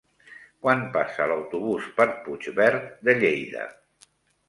Quan passa l'autobús per Puigverd de Lleida?